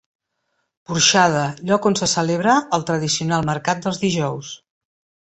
Porxada, lloc on se celebra el tradicional mercat dels dijous.